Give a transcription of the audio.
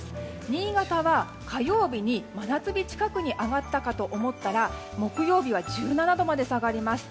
新潟は火曜日に真夏日近くに上がったかと思ったら木曜日は１７度まで下がります。